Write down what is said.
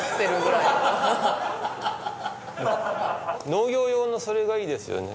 農業用のそれがいいですよね。